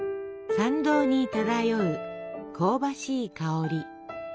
参道に漂う香ばしい香り。